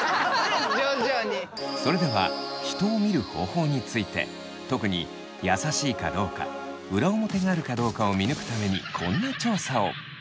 それでは人を見る方法について特に優しいかどうか裏表があるかどうかを見抜くためにこんな調査を。